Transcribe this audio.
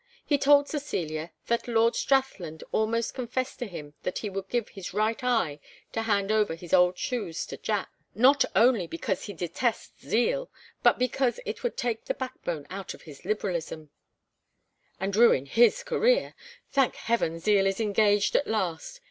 He told Cecilia that Lord Strathland almost confessed to him that he would give his right eye to hand over his old shoes to Jack, not only because he detests Zeal, but because it would take the backbone out of his Liberalism " "And ruin his career. Thank heaven Zeal is engaged at last.